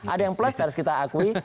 ada yang plus harus kita akui